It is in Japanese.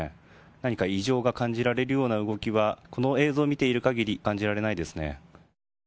何か異常が感じられるような動きはこの映像を見ている限り感じられないですね。